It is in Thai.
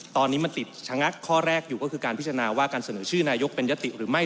ตอนนี้มันติดชะงักข้อแรกอยู่ก็คือการพิจารณาว่าการเสนอชื่อนายกเป็นยติหรือไม่